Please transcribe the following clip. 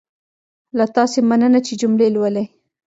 له تاسې مننه چې جملې لولئ.